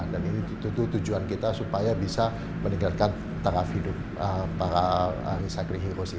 dan itu tuh tujuan kita supaya bisa meningkatkan taraf hidup para recycling heroes ini